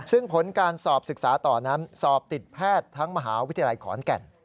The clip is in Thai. ซึ่งผลการสอบศึกษาต่อนั้นสอบติดแพทย์ทั้งมหาวิทยาลัยขอนแก่น